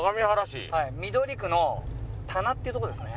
緑区の田名っていう所ですね。